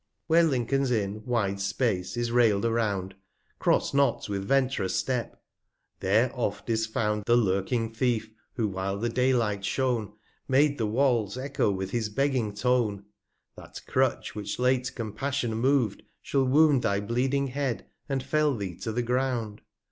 Where Lincoln* s Inn, wide Space, is rail'd around, Cross not with vent'rous Step ; there oft' is found The lurking Thief, who while the Day light shone, Made the Walls eccho with his begging Tone: 136 That Crutch which late Compassion mov'd, shall wound Thy bleeding Head, and fell thee to the Ground.